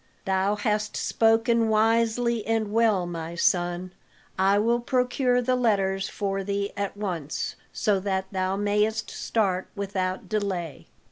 "Thou hast spoken wisely and well, my son. I will procure the letters for thee at once, so that thou mayest start without delay.